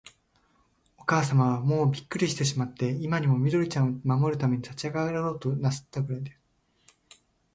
おかあさまは、もうびっくりしてしまって、今にも、緑ちゃんを守るために立ちあがろうとなすったくらいです。